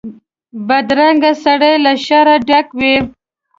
بدرنګه سړی له شره ډک وي